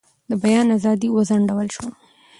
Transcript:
د بیان ازادي وځنډول شوه.